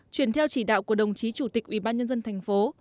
chuyển theo chỉ đạo của đồng chí chủ tịch ủy ban nhân dân thành phố